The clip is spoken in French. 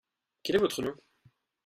Quel est votre nom ?